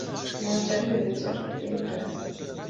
মজা ভেবেছে নাকি এটা?